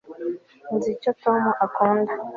nzi icyo tom akunda